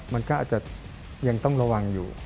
มันก็อาจจะยังต้องระวังอยู่